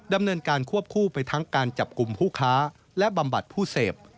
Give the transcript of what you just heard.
ดำเนินการควบคู่ไปทั้งการจับกลุ่มผู้ค้าและบำบัดผู้เสพ